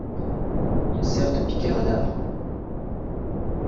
Il sert de piquet radar.